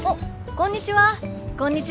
こんにちは。